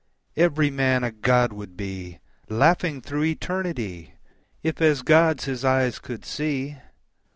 Every man a God would be Laughing through eternity If as God's his eyes could see.